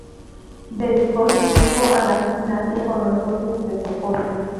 Dedicó su tiempo a la gimnasia con los socios de Sokol.